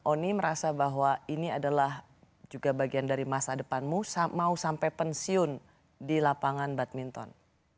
oni merasa bahwa ini adalah juga bagian dari masa depanmu mau sampai pensiun di lapangan badminton